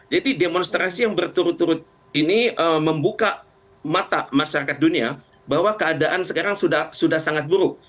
jadi demonstrasi yang berturut turut ini membuka mata masyarakat dunia bahwa keadaan sekarang sudah sangat buruk